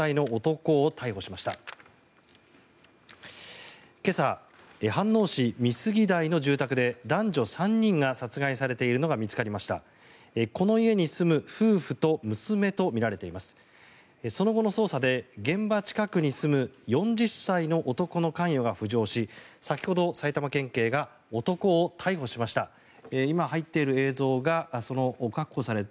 その後の捜査で現場近くに住む４０歳の男の関与が浮上し先ほど、埼玉県警が男を逮捕しました。